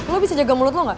lu bisa jaga mulut lu enggak